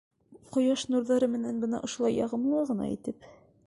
Ҡояш нурҙары менән, бына ошолай яғымлы ғына итеп...